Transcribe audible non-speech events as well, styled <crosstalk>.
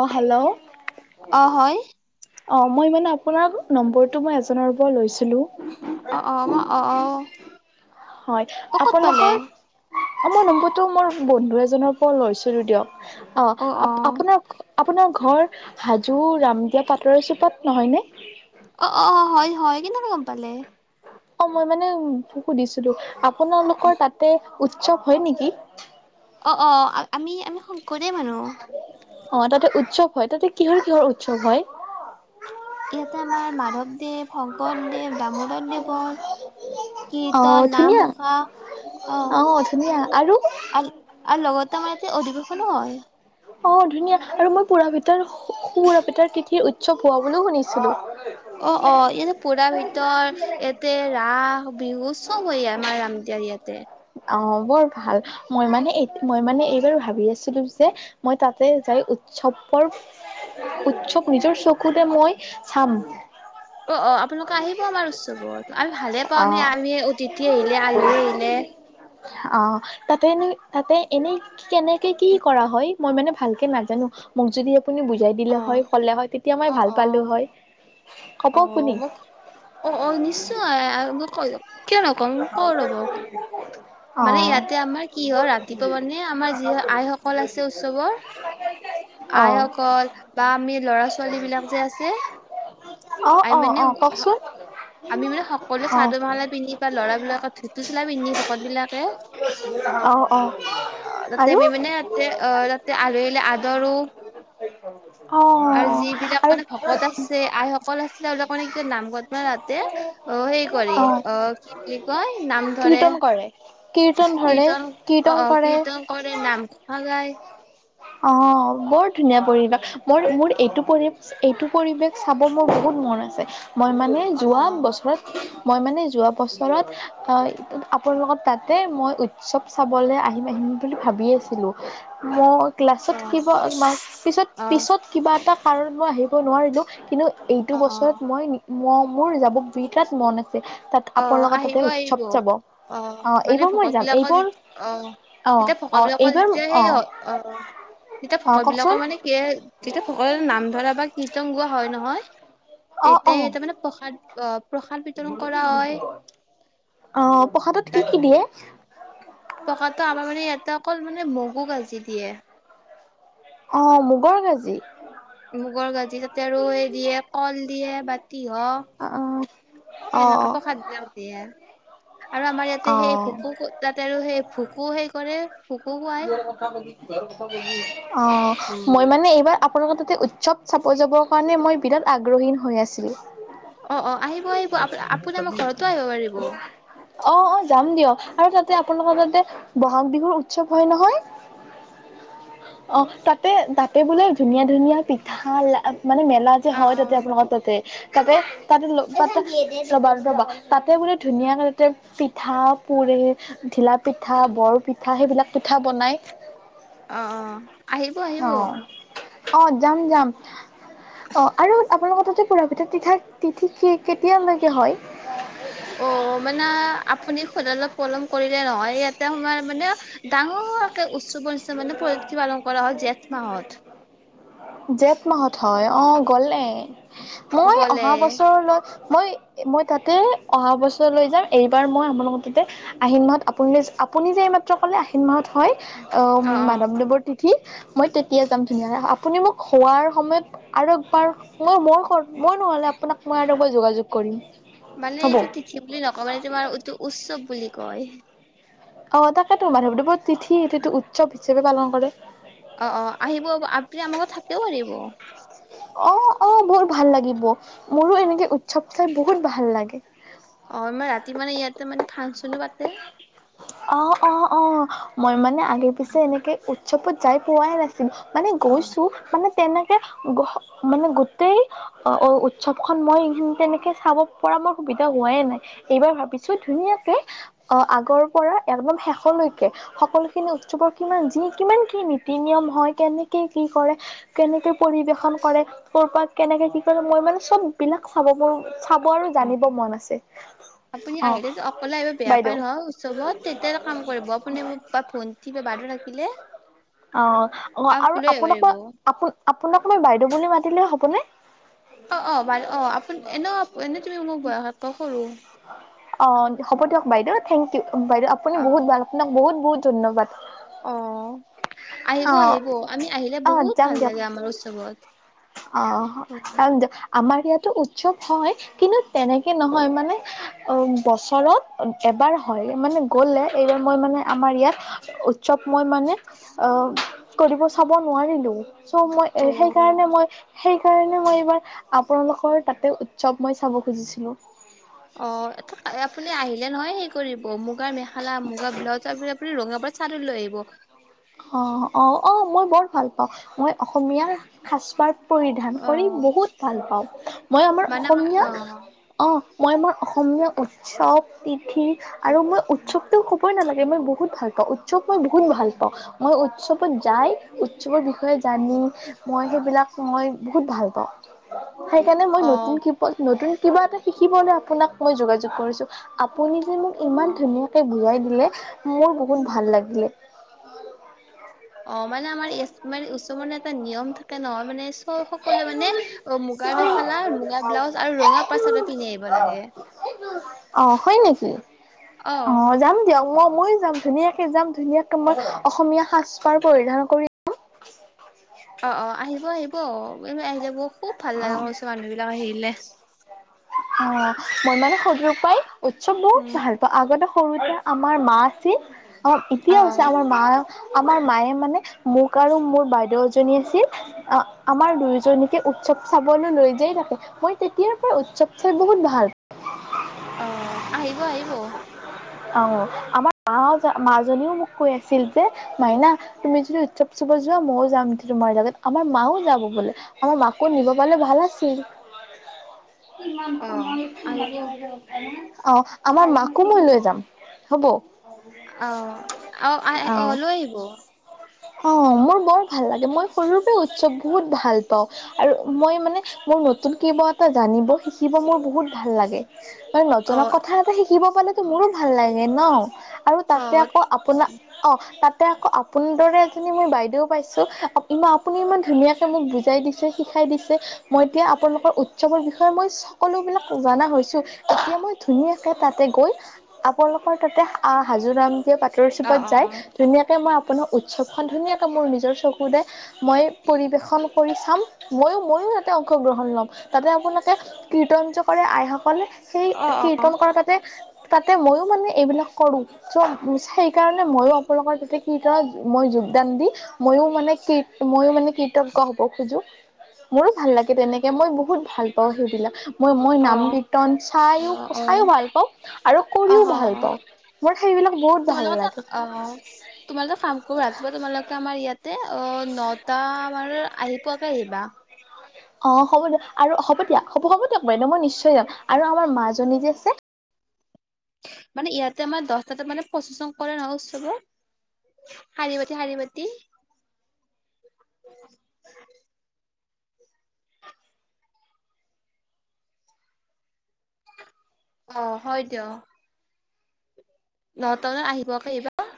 অ' hello. অ' হয়। অ' মই মানে আপোনাৰ নম্বৰটো মই এজনৰ পৰা লৈছো। <unintelligible> হয় অ ক'ত পালে আপোনালোকৰ মই নম্বুৰতো মোৰ বন্ধু এজনৰ পৰা লৈছিলো দিয়ক। অ' আপোনাৰ আপোনাৰ ঘৰ হাজো ৰাম দিয়া পাটৰৰ চুপত নহয়নে। অ', অ', হয় হয় কেনেকে গম পালে? অ' মই মানে উ সুধিছিলো। আপোনালোকৰ তাতে উৎসৱ হয় নেকি? অ', অ' আমি আমি শংকৰ অ' তাতে উৎচৱ। হয় তাতে কিহৰ কিহৰ উৎসৱ হয়? ইয়াতে আমাৰ মাধৱদেৱ শংকৰদেৱ ডামোদৰ দেৱৰ। অ' ধুনীয়া অ' ধুনীয়া আৰু আৰু <unintelligible> অধিৱেশনো হয়। অ' ধুনীয়া আৰু মই পুৰাপিতাৰ পুৰাপিতাৰ তিথিৰ উৎসৱ হোৱা বুলিও শুনিছিলো। অ', অ' ইতে পুৰা গিতৰ ইয়াতে ৰাস বিহুচ চব হৈ আমাৰ ৰাম দিয়াৰ ইয়াতে আহ বৰ ভাল মই মানে মই মানে এইবাৰ ভাবি আছিলো যে মই তাতে যাই উৎসৱৰ উৎসৱ নিজৰ চকুতে মই চাম। অ', অ' আপোনালোকে আহিব আমাৰ উৎসৱত আৰুমি ভালে পাওঁ অ আমি আমি অতিথি আহিলে আলহী আহিলে। অ' তাতে এনে তাতে এনে কেনেকে কি কৰা হয় মই মানে ভালকে নাজানো মোক যদি। আপুনি বুজাই অ দিলে হয় ক'লে হয় তেতিয়া মই অ ভাল অ পালো হয়। ক'ব অ আপুনি মোক অ অ নিশ্চয় মই কৈ য কিয় নকওঁ ক ৰ'ব অ মানে ইয়াতে আমাৰ কি হয় ৰাতিপুৱা মানে আমাৰ যি আইসকল আছে উৎসৱৰ অ আইসকল বা আমি ল'ৰা ছোৱালী বিলাক যে আছে অ আমি অ মানে অ কওকচোন অ ধুু চলাই পিন্ধি ভকত বিলাকে অ অ অ তাতে আৰু আমি মানে তাতে অ তাতে আলহী আদৰো স আৰু যিবিলাক মানে ভকত আছে আইসকল আছিলে এইবলাক মানে কি নামঘতনা তাতে অ হে কৰি অ কি বুলি কয় নাম ধৰে কীৰ্তন কৰে ধৰে কীৰ্তন কীৰ্তন অ কৰে কীৰ্তন কৰে নাম খ যায় আহ বৰ ধুনীয়া পৰিৱেশ মোৰ মোৰ এইটো পৰি এইটো পৰিৱেশ চাব মোৰ বহুত মন আছে মই মানে অ যোৱা বছৰত মই মানে যোৱা ব্ত ফলত আহ আপোনাৰ লগত তাতে মই উৎসৱ চাবলৈ আহিম আহিম বুলি ভাবি আছিলো মই ক্লাছত শিকিব পিছত পিছত কিবা এটা কাৰণ মই আহিব নোৱাৰিলো কিন্তু এইটো বছৰত মই ম মোৰ যাব বি তাত মন আছে তাত অ আপোনালোকৰ তাতে আহিব আহিব উৎসৱ চাব অ মানে এইবাৰ মই ভকত যাম বিলাকৰ যে এইবাৰ অ অ', তেতিয়া ভক অ', বিলাকৰ এইবাৰ যেতিয়া সেই হয় অ তেতিয়া অ', ভকত কওকচোন বিলাকৰ মানে কি যেতিয়া ভকত নাম ধৰা বা কীৰ্তন গোৱা হয় নহয় অ', তেতিাই অ', তাৰ মানে প্ৰসাদ অ প্ৰসাদ বিতৰণ কৰ অ পঢ়াতত কি কি দিয়ে পকাতটো আমাৰ মানে এটা অকল মানে ম গ গাল চতিে অ মুগৰ কাজি মগল গাজি তে ৰৈ দিয়ে কল দিয়ে বা তিহ অ', তেনেকাে অ', প্ৰসাদ বিলাক দিয়ে আৰু আমাৰ ইয়াতে সেই অ', ভোকো তাতে আৰু সেই ভোকো সেই কৰে ভোকু পুৱায় অ মই মানে এইবাৰ আপোনালোকৰ তাতে উৎসৱ চাপ যাবৰ কাৰণে মই বিৰাট আগ্ৰহীন হৈ আছিলো অ অ আহিব আহিব আ আপুনি আমাৰ ঘৰতো আহিব পাৰিব অ অ যাম দিয় আৰু তাতে আপোনালোকৰ তাতে ব'হাগ বিহুৰ উসৱ হয় নহয় অ তাতে তাতে বোলে ধুনীয়া ধুনীয়া পিঠা মানে মেলা যে অ হয় তাতে আপোনালোকৰ তাতে তাতে তাতে পবা ৰবা তাতে বো ধুনীয়াকে পিঠা পুৰে ঢিলা পিঠা বৰ পিঠা সেইবিলাক পিঠা বনাই অ' অ' আহিব আহিব অ অ' যাম যাম অ আৰু আপোনালোক ততে পুৰা পিত তিঠা তিথি কেতিয়ালৈকে হয় অ' মানে আপুনি সদায় অলপ পলম কৰিলে নহয় ইয়াতে সোমাৰ মানে ডাঙৰ উৎসৱৰ নিচিনা মানে পালন কৰা হয় জেঠ মাহত। জেঠ মাহত হয় অ গ'লে। মই গ'লে অহা বছৰলৈত মই। মই তাতে অহা বছৰ লৈ যাম এইবাৰ মই আমোনাৰোকতোতে আহিন মাহত আপুনিৈ আপুনি যে এই মাত্ৰ ক'লে আহিন মাহত হয় অ মাধৱদেৱৰ তিথি কি মই তেতিয়া যাম ধুনীয়া আপুনি মোক। হোৱাৰ সময়ত আৰু একবাৰ মই মোৰ। মই নহ'লে আপোনাক মই আৰু। যোগাযোগ কৰিম। মানে হ'ব এইটো তিথি বুলি নকওঁ মানে তোমাৰ এইটো উৎসৱ বুলি। হয়। অ তাকেতো মাধৱ দেৱৰ তিথি তিথি এইটো উৎসৱ। সবে পালন কৰে। অ অ আহিব আপুনি আমাৰ ঘৰত থাকিব পাৰিব অ' অ 'বহুত ভাল লাগিব মোৰো এনেকে উৎসৱ চাই বহুত ভাল লাগে অ ইমান ৰাতি মানে ইয়াতে মানে ফাংচনো পাতে। অ -অ -অ মই মানে আগে পিছে এনেকৈ। উৎসৱত যাই পোৱাই নাই মানে অ গৈছো মানে। তেনেকে মানে গোটেই উৎসৱ খ মই তেনেকে চাব পৰা মই সুবিধা হোৱাই নাই এইবাৰ ভাবিছো ধুনীয়াকে অ' আগৰ পৰা একলবাম শেষলৈকে সকলোখিনি উৎসৱৰ কিমান যি কিমান কি নীতি নিয়ম হয় কেনেকৈ কি কৰে কেনেকৈ পৰিৱেশন কৰে ক'ৰপাত কেনেকৈ কি কৰে মই মানে চববিলাক চাব পাৰোঁ। চাব আৰু অ জানিব মন আছে অ বাইদেউ। অ' উৎসৱত তেতিয়া এটা কাম কৰিব আপুনি মোক ভন্টি বাইদেউ থাকিলে অ', অ', আ আৰু কলি আপোনাক আহিব পাৰিব মই কোনে। অ -অ বাৰু অ আপু এনে এনেই তুমি মোৰ বয়সত কৰো। হয়। অ' হ'ব দিয়ক বাইদেউ থেংক ইউ বাইদে আপুনি অ ভাল। আপোনাক বহুত বহুত ধন্যবাদ। অ' আহিব অ', আহিব আমি আহিলে অ', বহুত যাম ভাল দিয়ক লাগে আমাৰ উৎসৱত। অ হক দে। আমাৰ ইয়াতো উৎসৱ হয়। কিন্তু, তেনেকে নহয়। মানে, বছৰত এবাৰ হয়। মানে, গ'লে এইবাৰ মই মানে, আমাৰ ইয়াত উৎসৱ মই মানে, আঁ! কৰিব চাব নোৱাৰিলোঁ। ত' মই অ সেই কাৰণে সেইকাৰণে মই, এইবাৰ আপোনালোকৰ তাতে উৎসৱ মই চাব খুজিছিলোঁ। অ'! আপুনি আহিলে নহয় সেই কৰিব মোক মুগা মেখেলা, মুগা ব্লাজৰ আৰু আপুনি ৰঙা চাদৰ লৈ আহিব। অ'! অ'! অ'! মই বৰ ভাল পাওঁ। মই অসমীয়া সাজ পাৰ অ পৰিধান কৰি বহুত ভাল পাওঁ। মই আমাৰ অসমীয়া অ'! মই মোৰ অসমীয়া উৎসৱ, তিথি আৰু মই উৎসৱটো ক'বই নালাগে, মই বহুত ভাল পাওঁ। উৎসৱ মই বহুত ভাল পাওঁ। মই উৎসৱত যাই উৎসৱৰ বিষয়ে জানি। মই সেইবিলাক মই বহুত ভাল পাওঁ। সেইকাৰণে মই অ নতুন কিপত নতুন কিবা এটা শিকিবলৈ আপোনাক মই যোগাযোগ কৰিছোঁ। আপুনি মোক ইমান অ ধুনীয়াকে বুজাই দিলে। মোৰ বহুত ভাল লাগিলে। <unintelligible> অ'! মানে, আমাৰ ইয়াত উৎসৱৰ এটা নিয়ম থাকে নহয়। মানে, চব সকলোৱে মানে, মুগাৰ মেখেলা, মুগাৰ ব্লাউজ, আৰু ৰঙা পাৰি চাদৰ পিন্ধি আহিব লাগে। অ', হয় নেকি অ'! মইয়ো যাম, ধুনীয়াকে যাম। ধুনীয়াকে মই অসমীয়া সাজ পাৰ পৰিধান কৰিম। অ'! অ'! আহিব আহিব। <unintelligible> আহি যাব। খুব ভাল অ লাগে মোৰ, ছোৱালীবিলাক আহিলে। অ'! মই মানে সৰু পৰাই উৎসৱ বহুত উম ভাল পাওঁ। আগতে সৰুতে আমাৰ মা আছিল। অ'! এতিয়া হৈছে আমাৰ মা আমাৰ মায়ে মানে, মোক আৰু মোৰ বাইদেউ এজনী আছিল। আমাৰ দুয়োজনীকে উৎসৱ চাবলৈ লৈ যায় থাকে। মই তেতিয়াৰ পৰা উৎসৱ চাই বহুত ভাল অ'! আহিব আহিব। অ'! আমাৰ মা মাজনীও মোক কৈ আছিল যে, মাইনা তুমি যদি যোৱা, উৎসৱ চাব যোৱা মইয়ো যাম তোমাৰ লগত। আমাৰ মাও যাব বোলে আমাৰ মাকো নিব পাৰিলে ভাল আছিল। অ আহিব <unintelligible> অ'! আমাৰ মাকো মই লৈ যাম। হ'ব। অ'! অ'! আ' লৈ আহিব। অ'! মোৰ বৰ ভাল লাগে। মই সৰু পৰা উৎসৱ বহুত ভাল পাওঁ। আৰু মই মানে, মোৰ নতুন কিবা এটা জানিব শিকিব মোৰ বহুত ভাল লাগে। নতুক কথা এটা শিকিব পালেতো মোৰো ভাল লাগে <inaudible> আৰু অ তাতে আকৌ আপোনাৰ অ তাত আকৌ আপোন দৰে মই বাইদেউও পাইছো আপুনি ইমান ধুনীয়াকে মোক বুজাই দিছে শিকাই দিছে, মই এতিয়া আপোনালোকৰ উৎসৱৰ বিষয়ে মই সকলোবিলাক জনা হৈছো এতিয়া মই ধুনীয়াকে তাতে গৈ আপোনালোকৰ তাতে হাজোৰাম এতিয়া পাতৰ অ অ চুপত যায় ধুনীয়াকে মই কোনো উ! চবখন ধুনীয়াকে মোৰ নিজৰ চকুদ মই পৰিৱেশন কৰি চাম ময়ো ময়ো তাতে অংশগ্ৰহণ ল'ম তাতে আপোনালোকে কীৰ্তঞজ কৰে আইসকলে সেই অ অ কীৰ্তন কৰ তাতে তাতে মই মানে এইবিলাক কৰোঁ। চ আচ সেইকাৰণে মইো আপোনালোকৰ তাতে কি ধ মই যোগদান দি, ময়ো মানে ক ময়ো মানে- কীৰ্তক হব খোজো মোৰো ভাল লাগে তেনেকে মই বহুত ভাল পাওঁ সেইবিলাক মই মই অ অ নাম কীৰ্তন চাইো চাইো ভাল পাওঁ আৰু অ অ কৰিও ভাল অ পাওঁ মোৰ সেইবিলাক বহুত ভাল লাগে। ফাম কৰো ৰাতিপুৱা তোমালোকে আমাৰ ইয়াতে অ' নটা আমাৰ আহি পোৱাকে আহিবা। অ হ'ব দিয়া আৰু হ'ব দিয়া হ'ব হ'ব দিয়ক বাইদেউ মই নিশ্চয় যাম আৰু আমাৰ মাজী যে আছে। মানে ইয়াতে আমাৰ দহটাাত মানে পচেচন কৰে নহ উৎসৱৰ শাৰী বতি, শাৰী বাতি অ' হয় দিয়। নহট বানাত আহিব আকৌ এইবাৰ